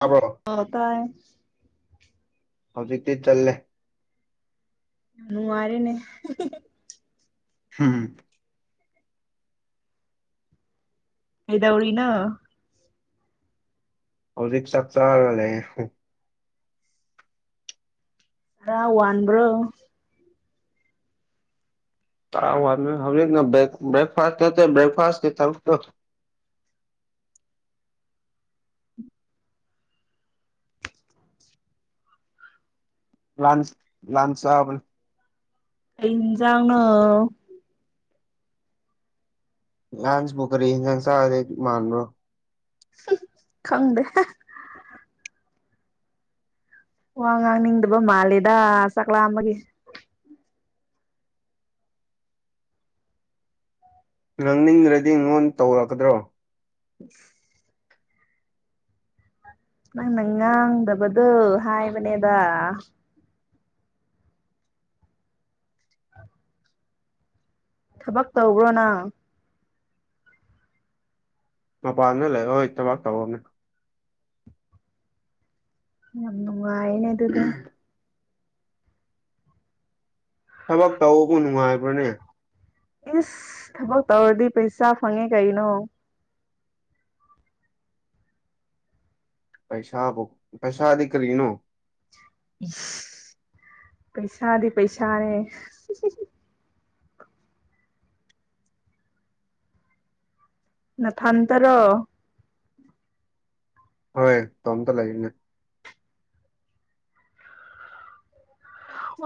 ꯇꯥꯕ꯭ꯔꯣ ꯑ ꯑ ꯇꯥꯏ ꯍꯧꯖꯤꯛꯇꯤ ꯆꯜꯂꯦ꯫ ꯅꯨꯡꯉꯥꯏꯔꯦꯅꯦ ꯍꯤ ꯍꯤ ꯍꯤ꯫ ꯍꯨꯝ ꯍꯨꯝ ꯀꯩꯗꯧꯔꯤꯅꯣ ꯍꯧꯖꯤꯛ ꯆꯥꯛ ꯆꯥꯔ ꯂꯩꯦ ꯈꯔꯥ ꯋꯥꯟꯕ꯭ꯔꯣ ꯇꯥꯎ ꯋꯥꯟꯕꯅꯣ ꯍꯧꯖꯤꯛꯅ ꯕꯔ꯭ꯦꯥꯛ ꯕꯔ꯭ꯦꯥꯛꯐꯥꯁ ꯇꯨ ꯇꯧ ꯕꯔ꯭ꯦꯥꯛꯀꯤ ꯊꯕꯛ ꯇꯧ ꯂꯥꯟꯁ ꯂꯥꯟ ꯆꯥꯕꯅꯤ ꯏꯦꯟꯖꯥꯡꯅꯣ ꯂꯥꯟꯁ ꯄꯨꯕꯨ ꯀꯔꯤ ꯏꯟꯁꯡ ꯆꯥꯒꯗꯒꯦ ꯃꯥꯥꯟꯕ꯭ꯔꯣ ꯈꯪꯗꯦ ꯋꯥ ꯉꯥꯡꯅꯤꯡꯗꯕ ꯃꯥꯜꯂꯦꯗ ꯆꯥꯛꯂꯥ ꯑꯃꯒꯤ ꯉꯥꯡꯅꯤꯡꯗ꯭ꯔꯗꯤ ꯑꯩꯉꯣꯟ ꯇꯧꯔꯛꯀꯗ꯭ꯔꯣ ꯎ ꯅꯪꯅ ꯉꯥꯡꯗꯕꯗꯨꯣ ꯍꯥꯏꯕꯅꯦꯗ ꯊꯕꯛ ꯇꯧꯕ꯭ꯔꯣꯅ ꯃꯄꯥꯟꯗ ꯂꯩ ꯍꯣꯏ ꯊꯕꯥꯛ ꯇꯍꯅꯦ ꯋꯥꯥꯏꯅꯦ ꯑꯗꯨꯅꯦ ꯊꯕꯛ ꯇꯧꯕꯕꯨ ꯅꯨꯡꯉꯥꯏꯕ꯭ꯔꯅꯦ ꯏꯁꯁ ꯊꯕꯛ ꯇꯧꯔꯗꯤ ꯄꯩꯁꯥ ꯐꯪꯉꯦ ꯀꯩꯅꯣ ꯄꯁꯥ ꯄꯦꯁꯥꯗꯤ ꯀ ꯂꯔꯤꯅꯣ ꯄꯩꯁꯥꯗꯤ ꯄꯩꯁꯥꯅꯦ ꯅ ꯐꯟꯇꯔꯣ ꯍꯣꯏ ꯇꯝ ꯇ ꯂꯒꯅꯦ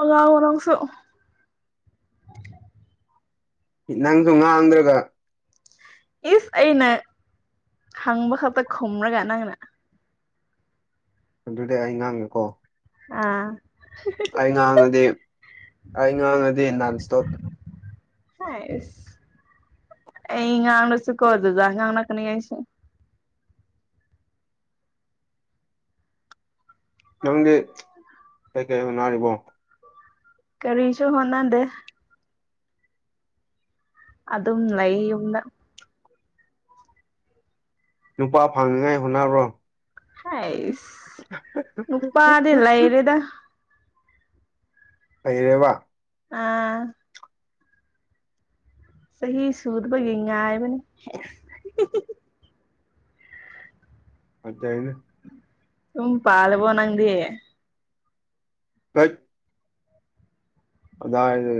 ꯑꯣꯉ ꯅꯪꯁꯨ ꯅꯪꯁꯨ ꯉꯥꯡꯗ꯭ꯔꯒ ꯏꯁ ꯑꯩꯅ ꯍꯪꯕ ꯈꯛꯇ ꯈꯨꯝꯔꯒ ꯅꯪꯅ ꯑꯗꯨꯗꯤ ꯑꯩ ꯉꯥꯡꯉꯦꯀꯣ ꯑꯥ ꯑꯩ ꯉꯥꯡꯉꯗꯤ ꯑꯩ ꯉꯥꯡꯉꯗꯤ ꯅꯅꯥꯟꯁꯇꯣꯠ ꯏ ꯉꯅꯁꯨ ꯀ ꯑꯣꯏꯗꯗꯥꯡ ꯀꯅꯤꯁꯨ ꯅꯪꯗꯤ ꯀꯩꯀꯩ ꯅꯥꯔꯤꯕꯣ ꯀꯔꯤꯁꯨꯣ ꯍꯣꯅꯗꯦ ꯑ ꯑꯗꯨꯝ ꯂꯩꯨꯝꯅ ꯅꯨꯄꯥ ꯐꯪꯅꯤꯉꯥꯏ ꯍꯣꯠꯅꯔꯣ ꯍꯁ ꯅꯨꯨꯄ ꯑꯗꯨꯗꯂ ꯑꯦꯔꯦꯗ ꯑꯩꯩꯔꯦ ꯋꯥ ꯑꯥ ꯁꯍꯤ ꯁꯨꯗꯕꯒꯉ ꯃꯅꯤ ꯐꯖꯅ ꯎ ꯄꯥꯂꯕꯣꯅꯥꯗꯤ ꯀꯠ ꯑꯗ ꯑꯗꯨ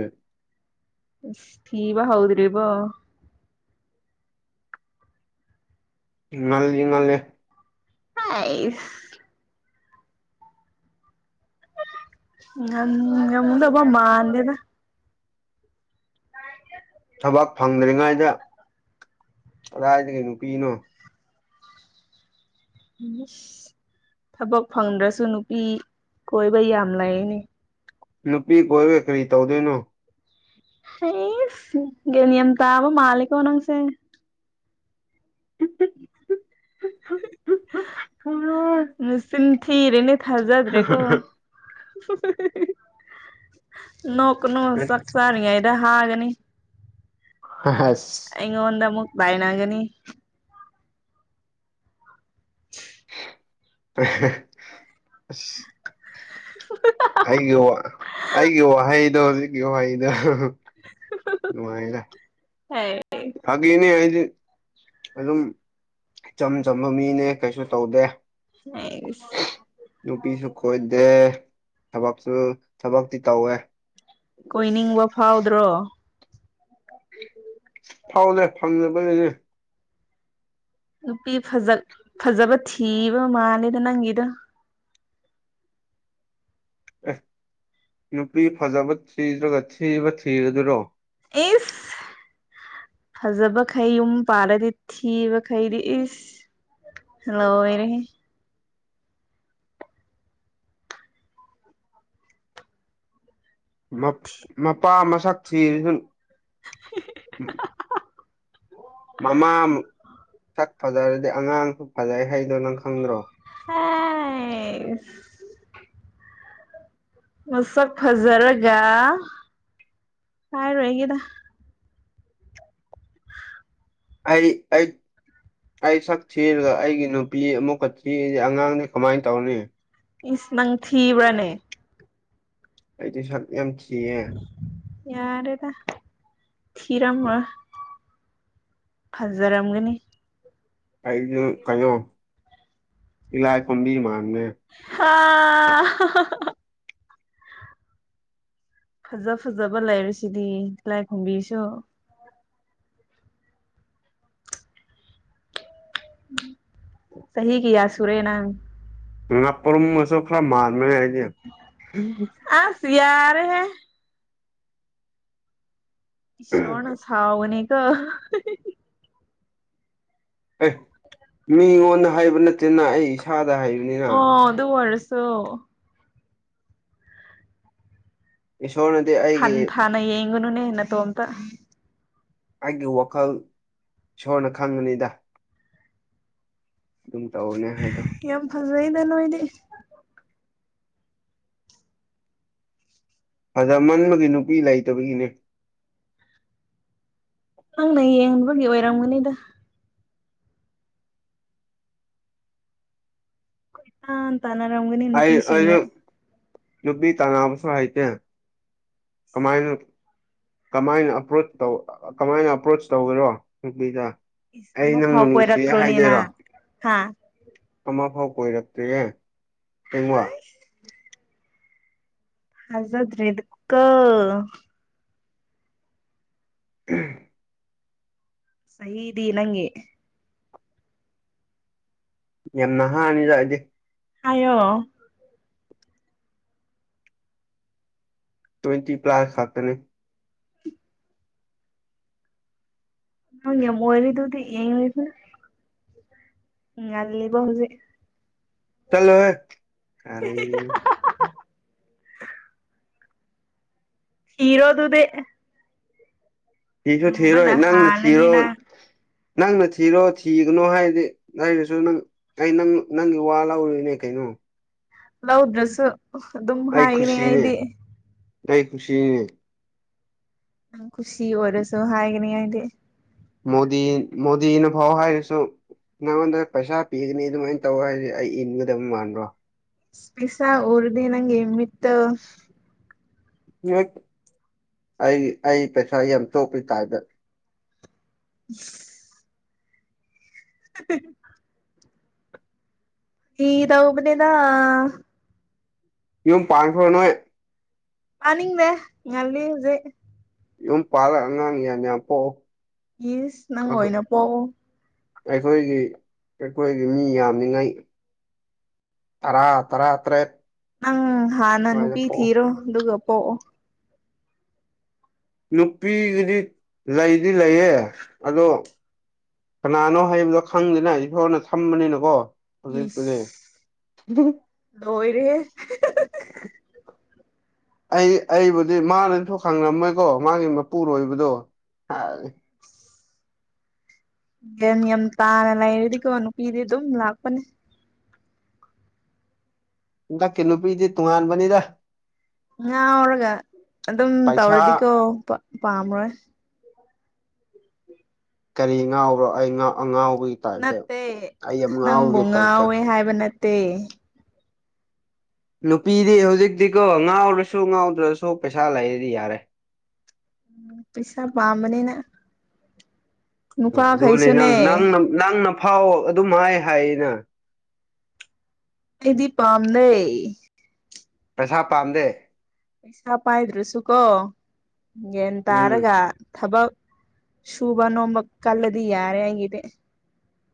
ꯁ ꯊꯤꯕ ꯍꯥꯎꯗ꯭ꯔꯔꯤꯕ ꯉꯜ ꯉꯜꯂꯤꯦ ꯑꯁ ꯉ ꯌꯥꯝꯗꯄꯥ ꯃꯥꯗꯦꯗ ꯊꯕꯛ ꯐꯪꯗ꯭ꯔꯤꯉꯩꯗ ꯀꯗꯥꯏꯗꯒꯤ ꯅꯨꯄꯤꯅꯣ [unintelligible] ꯊꯕꯛ ꯐꯪꯗ꯭ꯔꯁꯨ ꯅꯨꯄꯤ ꯀꯣꯏꯕ ꯌꯥꯝ ꯂꯩꯅꯤ ꯅꯨꯄꯤ ꯀꯣꯣꯏꯋꯦ ꯀꯔꯤ ꯇꯧꯗꯦꯅꯣ ꯑꯩ ꯅꯤꯌꯝ ꯇꯕ ꯃꯥꯂꯛꯣꯅꯁꯦ ꯃ ꯁꯤꯟ ꯊꯤꯔꯦꯅꯦ ꯊꯖꯗ꯭ꯔꯦ ꯀꯣ ꯅꯣꯛꯀꯅꯨ ꯁꯛꯁꯥꯔꯤ ꯏꯗ ꯍꯥꯒꯅꯤ ꯍ ꯑꯩꯉꯣꯗ ꯑꯃꯨꯛ ꯥꯏꯅꯒꯅꯤ ꯑ ꯑꯩꯒꯤ ꯑꯩꯒꯤ ꯋꯥꯍꯩꯗꯣ ꯍꯧꯖꯤꯛꯀꯤ ꯋꯥꯍꯩꯗ ꯅꯨꯡꯉꯥꯏꯔ ꯍ ꯐꯒꯅꯦ ꯍꯥꯏꯗꯤ ꯑꯗꯨꯝ ꯏꯆꯝ ꯆꯝꯕ ꯃꯤꯅꯦ ꯀꯩꯁꯨ ꯇꯧꯗꯦ ꯑꯩꯁ ꯅꯨꯄꯤꯁꯨ ꯀꯣꯏꯗꯦ ꯊꯕꯛꯁꯨ ꯊꯕꯛꯇꯤ ꯇꯧꯋꯦ ꯀꯣꯏꯅꯤꯡꯕ ꯐꯥꯎꯗ꯭ꯔꯣ ꯐꯥꯎꯅꯦꯦ ꯐꯪꯅꯕꯅꯦꯅꯦ ꯅꯨꯄꯤꯖ ꯐꯖꯕ ꯊꯤꯕ ꯃꯥꯜꯂꯦꯗ ꯅꯪꯒꯤꯗ ꯑꯦ ꯅꯨꯄꯤ ꯐꯖꯕ ꯊꯤꯗ꯭ꯔꯒ ꯊꯤꯕ ꯊꯤꯕ ꯑꯗꯨꯔꯣ ꯏꯁ ꯐꯖꯕꯈꯩ ꯌꯨꯝ ꯄꯥꯔꯗꯤ ꯊꯤꯕꯈꯩꯗꯤ ꯏꯁ ꯍꯜꯂꯣ ꯑꯣꯏꯔ ꯃꯄꯥ ꯃꯁꯛ ꯊ ꯃꯃꯥꯛ ꯁꯛ ꯐꯖꯔꯗꯤ ꯑꯉꯥꯡꯁꯨ ꯐꯖꯩ ꯍꯥꯏꯩꯗꯣ ꯅꯪ ꯈꯪꯗ꯭ꯔꯣ ꯑ ꯃꯁꯛ ꯐꯖꯔꯒ ꯍꯥꯏꯔꯣꯏꯒꯦꯗ ꯑꯩ ꯑꯩ ꯑꯩ ꯁꯛ ꯊꯤꯔꯒ ꯑꯩꯒꯤ ꯅꯨꯄꯤ ꯑꯃꯨꯛꯀ ꯊꯤꯔꯤꯗꯤ ꯑꯉꯥꯡꯅꯤ ꯀꯃꯥꯏꯅ ꯇꯧꯅꯤ ꯏꯁ ꯅꯪ ꯊꯤꯕ꯭ꯔꯅꯦ ꯑꯩꯗꯤ ꯁꯛ ꯌꯥꯝ ꯊꯤꯌꯦꯦ ꯌꯥꯔꯦꯗ ꯊꯤꯔ ꯑꯃ ꯐꯖꯔꯝꯒꯅꯤ ꯀꯗ ꯀꯩꯅꯣ ꯏꯂ ꯀꯕꯤ ꯃꯥꯥꯡꯅꯦ ꯑꯥ ꯐꯖ ꯐꯖꯕ ꯂꯩꯔꯁꯤꯗꯤ ꯂꯥꯏ ꯈꯨꯝꯕꯤꯁꯨ ꯆꯍꯤ ꯀꯌꯥ ꯁꯨꯔꯦ ꯅ ꯉ ꯉꯄꯔꯝꯁꯨ ꯈꯔ ꯃꯥꯥꯟꯅ ꯍꯥꯏꯗꯤ ꯑꯁ ꯌꯥꯔꯦꯍꯦ ꯏꯁꯣꯅꯁ ꯁꯥꯎꯕꯅꯦ ꯀꯣ ꯑꯦ ꯃꯤꯉꯣꯟꯗ ꯍꯥꯏꯕ ꯅꯠꯇꯦꯅ ꯑꯩ ꯏꯁꯥꯗ ꯍꯥꯏꯕꯅꯤꯅ ꯑꯣ ꯑꯗꯨ ꯑꯣꯏꯔꯁꯨ ꯏꯁꯣꯔꯅꯗꯤ ꯑꯩꯒꯤ ꯍꯟ ꯊꯅ ꯌꯦꯡꯒꯨꯅꯨꯅꯦ ꯅ ꯇꯣꯝꯇ ꯑꯩꯒꯤ ꯋꯥꯈꯜ ꯏꯁꯣꯔꯅ ꯈꯪꯉꯅꯤꯗ ꯑꯗꯨꯝ ꯇꯧꯅꯦ ꯍꯥꯏꯗꯣ ꯑꯗꯨ ꯏꯗ ꯅꯣ ꯏꯗꯤ ꯑꯗꯃꯟꯕꯒꯤ ꯅꯨꯄꯤ ꯂꯩꯇꯕꯒꯤꯅꯦ ꯅꯪꯅ ꯌꯦꯡꯕꯒꯤ ꯑꯣꯏꯔꯝꯒꯅꯤꯗ ꯀꯣꯏ ꯇꯅꯔꯅꯤꯟꯅ ꯅꯨꯄꯤꯁꯤꯡꯅ ꯌꯕꯕꯤ ꯇꯅꯥꯥ ꯁꯥꯍꯤꯍꯤꯇ ꯀꯃꯥꯏꯅꯣ ꯀꯃꯥꯏꯅꯄ꯭ꯔꯣ ꯀꯃꯥꯏꯅ ꯑꯄ꯭ꯔꯣꯆ ꯇꯧꯕꯒꯔꯣꯕꯤꯗ ꯏꯁ ꯑꯩ ꯑꯃ ꯅꯪꯕꯨ ꯐꯥꯎ ꯅꯨꯡꯁꯤ ꯀꯣꯏꯔꯛꯇ꯭ꯔꯣꯅꯦ ꯍꯥꯏꯗꯣꯏꯔꯣ ꯅꯪ ꯍꯥ ꯑꯃ ꯐꯥꯎ ꯀꯣꯏꯔꯛꯇ꯭ꯔꯦꯌꯦ ꯀꯦꯡꯋꯥ ꯍꯖꯗ꯭ꯔꯔꯤ ꯀ ꯎ ꯆꯍꯤꯗꯤ ꯅꯪꯒꯤ ꯌꯥꯝꯅ ꯍꯥꯅꯤꯗ ꯑꯩꯗꯤ ꯍꯥꯏꯑꯣ ꯇ꯭ꯋꯦꯟꯇꯤ ꯄ꯭ꯂꯥꯁ ꯐꯥꯛꯇꯅꯦ ꯌꯥꯝ ꯑꯣꯏ ꯂꯤꯗꯨꯗꯤ ꯌꯦ ꯂꯗꯨ ꯎꯝ ꯑꯜꯂꯤꯕꯥꯎꯦ ꯆꯂꯣ ꯀꯔ ꯊꯤꯔꯣ ꯑꯗꯨꯗ ꯊꯁꯨ ꯊꯤꯔꯣ ꯅꯪꯅ ꯍꯥꯜꯂꯅꯤ ꯊꯔꯣ ꯅꯪ ꯅꯪꯅ ꯊꯤꯔꯣ ꯊꯤꯒꯅꯣ ꯍꯥꯏꯔꯗꯤ ꯅꯔꯁꯨ ꯅꯪ ꯑꯩ ꯅꯪ ꯅꯪꯒꯤ ꯋꯥ ꯂꯧꯔꯨꯏꯅꯦ ꯀꯩꯅꯣ ꯎ ꯂꯥꯎ ꯗ꯭ꯔꯦꯁꯨ ꯑꯗꯨꯝ ꯍꯥꯏꯒꯅꯤ ꯏꯗꯤ ꯇꯥꯏ ꯈꯨꯁꯤꯅꯦ ꯌꯥꯝ ꯈꯨꯨꯁꯤ ꯑꯣꯏꯔꯁꯨ ꯍꯥꯏꯒꯅꯤ ꯍꯥꯏꯗꯤ ꯃꯣꯗꯤ ꯃꯣꯗꯤꯅ ꯐꯥꯎ ꯍꯥꯏꯁꯨ ꯅꯉꯣꯟꯗ ꯄꯩꯁꯥ ꯄꯤꯒꯅꯤ ꯑꯗꯨꯃꯥꯏꯅ ꯇꯧ ꯍꯥꯏꯁꯦ ꯑꯩ ꯏꯟꯒꯗꯕ ꯃꯥꯟꯕ꯭ꯔꯣ ꯄꯤꯁꯥ ꯑꯣꯔꯗꯤ ꯅꯪ ꯏꯃꯤꯠꯇ ꯌꯦ ꯑꯩ ꯑꯩ ꯄꯩꯁꯥ ꯌꯥꯝ ꯆꯣꯞꯄꯔꯤ ꯇꯥꯏꯗ ꯎ [inaudible] ꯏ ꯗꯎꯕꯅꯦꯗ ꯌꯨꯝ ꯄꯥꯡꯈꯣꯔꯣꯅꯣꯏ ꯑꯅꯤꯡꯗꯦ ꯉꯜꯂꯤ ꯍꯧꯖꯤꯛ ꯌꯨꯝ ꯄꯥꯜꯂ ꯑꯉꯥꯡ ꯌꯥꯝ ꯌꯥꯝ ꯄꯣꯛꯑꯣ ꯌꯦꯁ ꯅꯪꯅ ꯄꯣ ꯑꯩꯈꯣꯏꯒꯤ ꯑꯩꯈꯣꯏꯒꯤ ꯃꯤ ꯌꯥꯝꯅꯤꯉꯥꯏ ꯇꯔꯥ ꯇꯔꯥꯠꯇ꯭ꯔꯦ ꯅꯪ ꯍꯥꯟꯅ ꯅꯨꯄꯤ ꯊꯤꯔꯣ ꯑꯗꯨꯒ ꯄꯣꯛꯑꯣ ꯅꯨꯄꯤꯒꯤꯗꯤ ꯂꯩꯗꯤ ꯂꯩꯌꯦ ꯑꯗꯣ ꯀꯅꯥꯅꯣ ꯍꯥꯏꯕꯗꯣ ꯈꯪꯗꯦꯅ ꯑꯩꯛ ꯐꯣꯔꯅ ꯊꯝꯕꯅꯤꯅꯀꯣ ꯏꯁ ꯂꯣꯏꯔꯦ ꯑꯩ ꯑꯩꯕꯨꯗꯤ ꯃꯥꯅꯗꯤꯁꯨ ꯈꯪꯉꯝꯃꯣꯏꯀꯣ ꯃꯥꯒꯤ ꯃꯄꯨꯔꯣꯏꯕꯗꯣ ꯍꯥꯎ ꯌꯦꯟ ꯌꯥꯝ ꯇꯥꯅ ꯂꯩꯔꯗꯤ ꯀꯩꯣ ꯅꯨꯄꯤꯗꯤ ꯑꯗꯨꯝ ꯂꯥꯛꯄꯅꯦ ꯏꯇꯛꯀꯤ ꯅꯨꯄꯤꯗꯤ ꯇꯣꯉꯥꯟꯕꯅꯤꯗ ꯉꯥꯎꯔꯒ ꯑꯗꯨꯝ ꯄꯩꯁꯥ ꯇꯧꯔꯗꯤꯀꯣ ꯄꯥꯝꯕ꯭ꯔꯣ ꯀꯔꯤ ꯉꯥꯎꯕꯔꯣ ꯑꯩ ꯉꯥꯎ ꯑꯉꯥꯎꯕ ꯅꯠꯇꯦ ꯅꯪꯕꯨ ꯇꯥꯏꯞꯇ ꯉꯥꯎꯋꯦ ꯍꯥꯏꯕ ꯅꯠꯇꯦ ꯅꯨꯄꯤꯗꯤ ꯍꯧꯖꯤꯛꯇꯤꯀꯣ ꯉꯥꯎꯔꯁꯨ ꯉꯥꯎꯗ꯭ꯔꯁꯨ ꯄꯩꯁꯥ ꯂꯩꯔꯗꯤ ꯌꯥꯔꯦ ꯎ ꯄꯁꯥ ꯄꯥꯝꯕꯅꯤꯅ ꯑꯣ ꯑꯗꯨꯕꯨꯅꯦ ꯅꯪ ꯅꯨꯄꯥꯈꯩꯁꯨꯅꯦ ꯅ ꯅꯪꯅ ꯍꯥꯎ ꯑꯗꯨꯝ ꯍꯥꯏ ꯍꯥꯏꯅ ꯍꯥꯏꯗꯤ ꯄꯥꯝ ꯅꯦ ꯄꯩꯁꯥ ꯄꯥꯝꯗꯦ ꯄꯩꯁꯥ ꯄꯥꯏꯗ꯭ꯔꯁꯨꯀꯣ ꯒ꯭ꯌꯥꯟ ꯎꯝ ꯇꯥꯔꯒ ꯊꯕꯛ ꯁꯨꯕ ꯅꯣꯝꯕ ꯀꯂꯗꯤ ꯌꯥꯔꯦ ꯑꯩꯒꯤꯗꯤ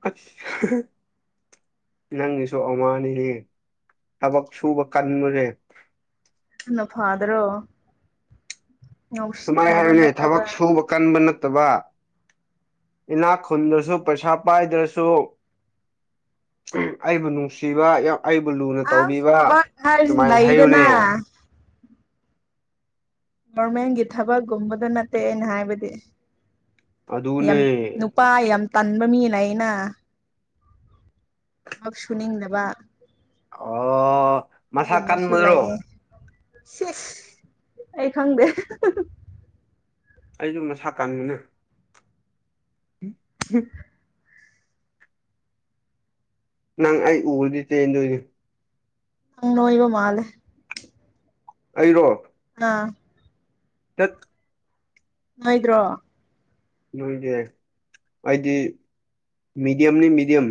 ꯑꯁ ꯅꯪꯒꯤꯁꯨ ꯑꯅꯤꯅꯦ ꯊꯕꯛ ꯁꯨꯕ ꯀꯟꯕꯨꯔꯦ ꯑ ꯐꯥꯗꯔꯣ ꯇꯨ ꯍꯔꯅꯦ ꯊꯕꯛ ꯁꯣ ꯃꯀꯥꯟ ꯠꯇꯕ ꯏꯅꯥꯛ ꯈꯨꯟꯗ꯭ꯔꯁꯨ ꯄꯩꯁꯥ ꯄꯥꯏꯗ꯭ꯔꯁꯨ ꯑꯩꯕꯨ ꯅꯨꯡꯁꯤꯕ ꯌꯥꯝ ꯑꯩꯕꯨ ꯂꯨꯅ ꯑꯁ ꯇꯧꯕꯤꯕ ꯊꯕꯛ ꯍꯥꯏꯔꯤꯁꯤ ꯑꯗꯨꯃꯥꯏꯅ ꯂꯩꯗꯅ ꯍꯥꯏꯌꯨꯅꯦ ꯒꯣꯔꯃꯦꯟꯒꯤ ꯊꯕꯛꯀꯨꯝꯕꯗ ꯅꯠꯇꯦ ꯑꯩꯅ ꯍꯥꯏꯕꯗꯤ ꯌꯥꯝ ꯑꯗꯨꯅꯦ ꯅꯨꯄꯥ ꯌꯥꯝ ꯇꯟꯕ ꯃꯤꯅ ꯑꯩꯅ ꯊꯞ ꯁꯨꯅꯤꯡꯗꯕ ꯑꯣ ꯃꯁꯥ ꯑꯗꯨꯒꯨꯝꯕꯁꯨ ꯀꯟꯕ꯭ꯔꯣ ꯂꯩꯌꯦ ꯑꯩ ꯈꯪꯗꯦ ꯑꯩꯁꯨꯣ ꯃꯁꯥ ꯀꯟꯕꯅꯦ ꯎꯝ ꯎꯝ ꯅꯪ ꯑꯩ ꯎꯕꯗꯤ ꯆꯦꯟꯗꯣꯏꯅꯤ ꯪ ꯅꯣ ꯏꯕ ꯃꯥꯂꯦ ꯑꯩꯔꯣ ꯑꯥ ꯇꯠ ꯍꯣꯏꯗ꯭ꯔꯣ ꯅꯣꯏꯗꯤ ꯑꯩꯗꯤ ꯃꯤꯗꯤꯌꯝꯅꯤ ꯃꯤꯗꯤꯌꯝ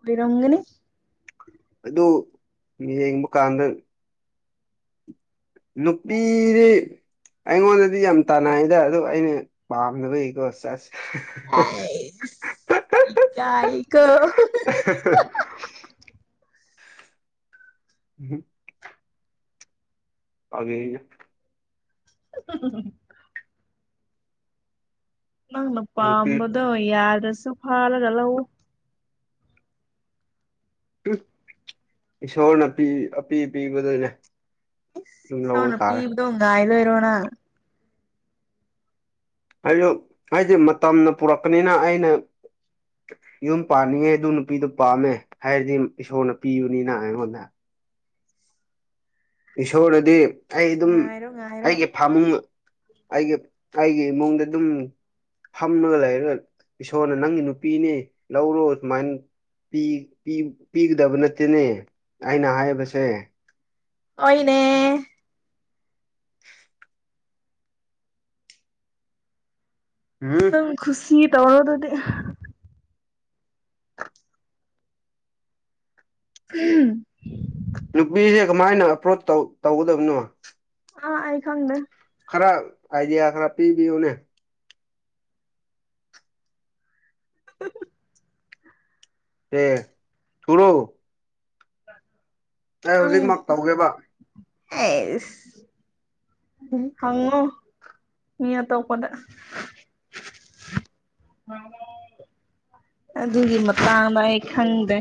ꯑꯣꯏꯔꯉꯅꯤ ꯑꯗꯨ ꯌꯦꯡꯕ ꯀꯥꯟꯗ ꯅꯨꯄꯤꯔꯦ ꯑꯩꯉꯣꯟꯗꯗꯤ ꯌꯥꯝ ꯇꯅꯥꯏꯗ ꯑꯗꯣ ꯑꯩꯅ ꯄꯥꯝꯅꯕꯩꯀꯣ ꯆꯁ ꯑ ꯏ ꯀꯥꯏ ꯀꯣ ꯎꯝ ꯑꯒꯦ ꯏ [inaudible] ꯅꯪꯅ ꯅꯨꯄꯤ ꯄꯥꯝꯕꯗꯣ ꯌꯥꯗ꯭ꯔꯁꯨ ꯐꯥꯜꯂꯒ ꯂꯧꯎ ꯏꯁꯣꯔꯅꯄꯤ ꯑꯄꯤ ꯑ ꯄꯕꯗꯅꯦ ꯅ ꯄꯤꯕꯗꯣꯡ ꯉꯥꯏ ꯂ ꯑꯣꯏꯔꯣꯑꯣꯅ ꯍꯥꯏ ꯍꯥꯏꯁꯦ ꯃꯇꯝꯅ ꯄꯨꯔꯛꯄꯅꯤꯅ ꯑꯩꯅ ꯌꯝ ꯄꯥꯅꯤꯡꯉꯦ ꯑꯗꯨ ꯅꯨꯄꯤꯗꯨ ꯄꯥꯝꯃꯦ ꯍꯥꯏꯔꯗꯤ ꯏꯁꯣꯔꯅ ꯄꯤꯕꯅꯤꯅ ꯑꯩꯉꯣꯟꯗ ꯏꯁꯣꯔꯅꯗꯤ ꯑꯩ ꯑꯗꯨꯝ ꯉꯥꯏꯔꯣ ꯉꯥꯏꯔꯣ ꯑꯩꯒꯤ ꯐꯥꯃꯨꯡ ꯑꯩꯒꯤ ꯑꯩꯒꯤ ꯏꯃꯨꯡꯗ ꯑꯗꯨꯝ ꯐꯝꯂꯒ ꯂꯩꯔꯒ ꯏꯁꯣꯔꯅ ꯅꯪꯒꯤ ꯅꯨꯄꯤꯅꯤ ꯂꯧꯔꯣ ꯁꯨꯃꯥꯏꯅ ꯄꯤꯒꯗꯕ ꯅꯠꯇꯦꯅꯦ ꯑꯩꯅ ꯍꯥꯏꯔꯤꯕꯁꯦ ꯑꯣꯏꯣꯏꯅꯦ [inaudible] ꯎꯝ ꯑꯪ ꯈꯨꯁꯤ ꯇꯋꯥꯔ ꯑꯗꯨꯗꯤ ꯎꯝ ꯅꯨꯄꯤꯁꯦ ꯀꯃꯥꯏꯅ ꯑꯦꯄ꯭ꯔꯣꯆꯧ ꯇꯧꯒꯗꯕꯅꯣ ꯑꯥ ꯑꯀ ꯅ ꯈꯔ ꯑꯥꯏꯗꯤꯌꯥ ꯈꯔ ꯄꯤꯕꯤꯌꯨꯅꯦ [inaudible] ꯑꯦ ꯊꯨꯔꯨ ꯑ ꯑꯩ ꯍꯧꯖꯤꯛꯃꯛ ꯇꯧꯒꯦꯕ ꯑꯦ ꯎꯝ ꯍꯉꯣ ꯃꯤ ꯇꯣ ꯀꯅ ꯑꯗꯨꯒꯤ ꯃꯇꯥꯡꯗ ꯑꯩ ꯈꯪꯗꯦ